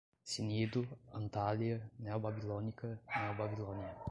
Cnido, Antália, neobabilônica, neobabilônia